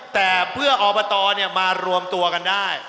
แต่เพื่อออกประตอเนี่ยมารวมตัวกันได้